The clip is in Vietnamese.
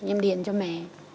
em điện cho mẹ